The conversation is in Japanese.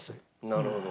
なるほど。